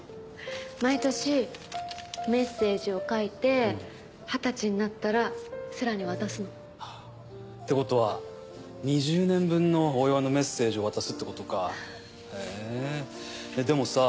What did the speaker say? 毎年メッセージを書いて二十歳になったら星来に渡すのってことは２０年分のお祝いのメッセージを渡すってことかへぇでもさ